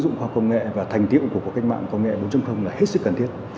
ứng dụng khoa công nghệ và thành tiệu của cuộc cách mạng công nghệ bốn là hết sức cần thiết